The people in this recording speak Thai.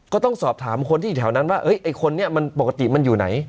ก็ต้องสอบถามคนที่อยู่แถวนั้นว่าไอ้คนนี้มันปกติมันอยู่ไหน